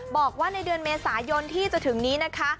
บอกว่าในเดือนเมษายนที่จะถึงนี้นะคะ